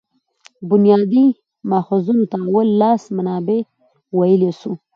بنیادي ماخذونو ته اول لاس منابع ویلای سو.